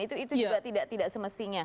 itu juga tidak semestinya